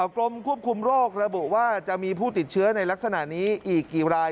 กรมควบคุมโรคระบุว่าจะมีผู้ติดเชื้อในลักษณะนี้อีกกี่ราย